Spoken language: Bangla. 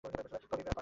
কবেই বা আর পরব।